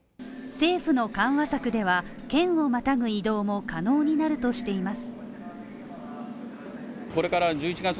政府の緩和策では県をまたぐ移動も可能になるとしています。